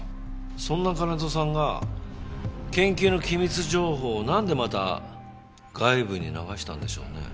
そんな金戸さんが研究の機密情報をなんでまた外部に流したんでしょうね？